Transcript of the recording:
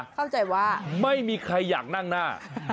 เข้าใจว่าไม่มีใครอยากนั่งหน้า